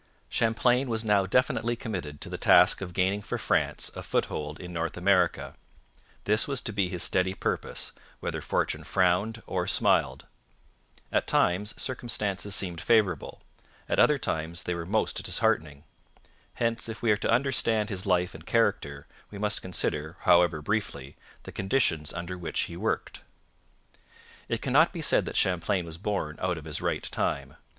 Champlain was now definitely committed to the task of gaining for France a foothold in North America. This was to be his steady purpose, whether fortune frowned or smiled. At times circumstances seemed favourable; at other times they were most disheartening. Hence, if we are to understand his life and character, we must consider, however briefly, the conditions under which he worked. It cannot be said that Champlain was born out of his right time.